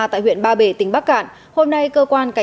tại huyện ba bể tỉnh bắc cạn